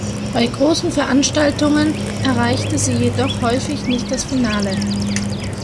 Bei großen Veranstaltungen erreichte sie jedoch häufig nicht das Finale.